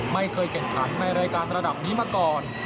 ไม่เคยแข่งขันในรายการระดับนี้มาก่อน